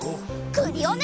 クリオネ！